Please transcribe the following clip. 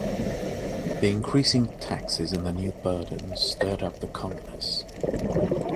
The increasing taxes and the new burdens stirred up the commoners.